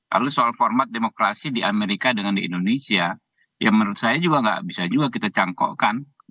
lalu soal format demokrasi di amerika dengan di indonesia ya menurut saya juga nggak bisa juga kita cangkokkan